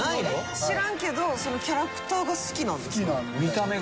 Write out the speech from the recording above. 知らんけどそのキャラクターが好きなんですか？